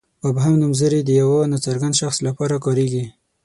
مبهم نومځري د یوه ناڅرګند شخص لپاره کاریږي.